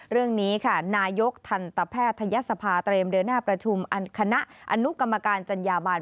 เรื่องนี้ค่ะนายกทันตแพทยศภาเตรียมเดินหน้าประชุมคณะอนุกรรมการจัญญาบัน